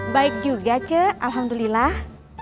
baik juga cik alhamdulillah